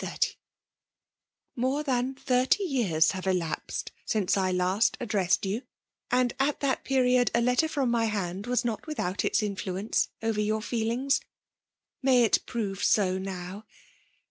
^' More than thirty years have elapsed sinoe I last addressed you; and at that period a letter from my hand was not without its in fluence over your feelings. May it prove so now